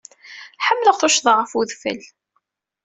Ḥemmleɣ tuccga ɣef wedfel.